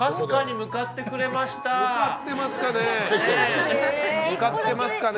向かってますかね？